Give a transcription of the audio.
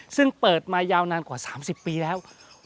ซึ่งเปิดมายาวนานกว่า๓๐ปีแล้ว